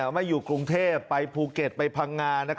ไม่อยู่กรุงเทพไปภูเก็ตไปพังงา